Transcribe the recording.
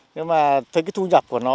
nhưng mà thấy cái thu nhập của nó